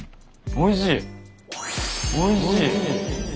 おいしい。